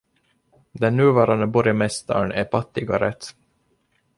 Den nuvarande borgmästaren är Patti Garrett.